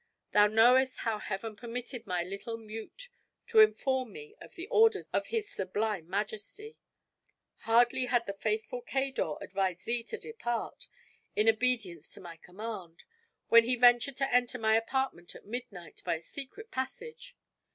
Thou knowest how Heaven permitted my little mute to inform me of the orders of his sublime majesty. Hardly had the faithful Cador advised thee to depart, in obedience to my command, when he ventured to enter my apartment at midnight by a secret passage.